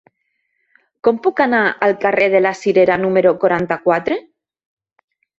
Com puc anar al carrer de la Cirera número quaranta-quatre?